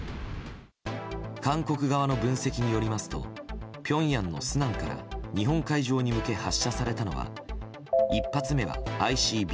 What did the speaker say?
韓国側の分析によりますとピョンヤンのスナンから日本海上に向け発射されたのは１発目はＩＣＢＭ。